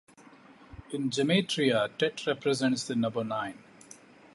In gematria, Tet represents the number nine.